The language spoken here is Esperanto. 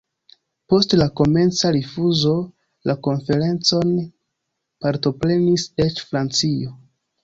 Post la komenca rifuzo, la konferencon partoprenis eĉ Francio.